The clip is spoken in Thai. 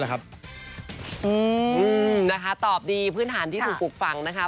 ตอบดีพื้นฐานที่ถูกปลูกฝังนะคะ